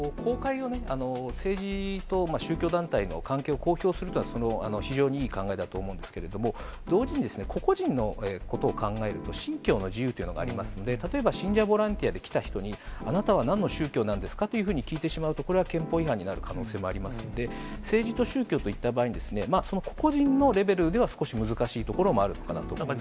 政治と宗教団体の関係を公表するというのは、非常にいい考えだと思うんですけれども、同時に、個々人のことを考えると、信教の自由というのがありますので、例えば信者ボランティアで来た人に、あなたはなんの宗教なんですか？というふうに聞いてしまうと、これは憲法違反になる可能性もありますんで、政治と宗教といった場合に、その個々人のレベルでは少し難しいところもあるのかなと思います。